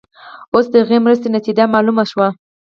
اوس د هغې مرستې نتیجه معلومه شوه.